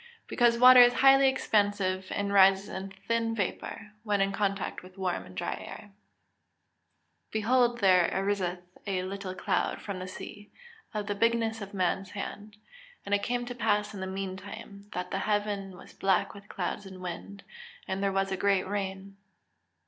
_ Because water is highly expansive, and rises in thin vapour, when in contact with warm and dry air. [Verse: "Behold there ariseth a little cloud from the sea, of the bigness of a man's hand. And it came to pass in the meantime, that the heaven was black with clouds and wind, and there was a great rain."